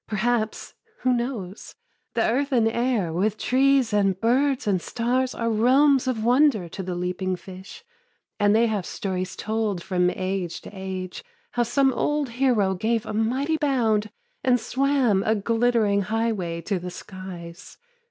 Perhaps, who knows ? The earth and air, with trees and birds and stai t> Are realms of wonder to the leaping fish, And they have stories told from age to age How some old hero gave a mighty bound, And swam a glittering highway to the skies.